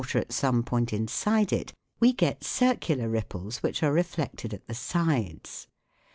THE WORLD OF SOUND at some point inside it, we get circular ripples which are reflected at the sides.